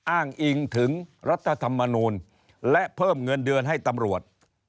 อ้างอิงถึงรัฐธรรมนูลและเพิ่มเงินเดือนให้ตำรวจ